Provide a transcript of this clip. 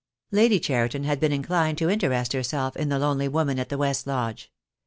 Lady Cheriton had been inclined to interest herself in the lonely woman at the West Lodge.